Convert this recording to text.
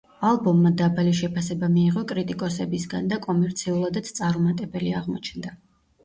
ალბომმა დაბალი შეფასება მიიღო კრიტიკოსებისგან და კომერციულადაც წარუმატებელი აღმოჩნდა.